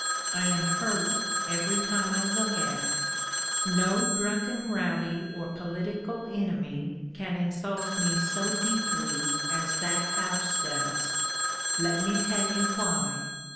I am hurt every time I look at it. No drunken rowdy or political enemy can insult me so deeply as that house does. Let me tell you why.